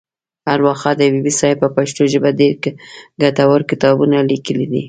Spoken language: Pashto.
اروا ښاد حبیبي صاحب په پښتو ژبه ډېر ګټور کتابونه لیکلي دي.